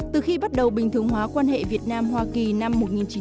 từ khi bắt đầu bình thường hóa quan hệ việt nam hoa kỳ năm một nghìn chín trăm bảy mươi